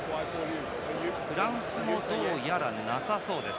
フランスもどうやらなさそうです。